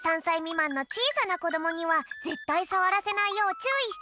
まんのちいさなこどもにはぜったいさわらせないようちゅういしてね！